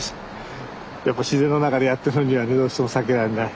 やっぱ自然の中でやってるのにはねどうしても避けられない。